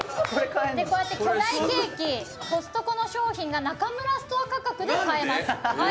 こうやって巨大ケーキコストコの商品がナカムラストアー価格で買えます。